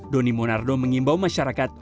doni monardo mengimbau masyarakat